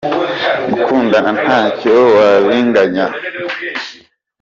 gukundana ntacyo wabinganya.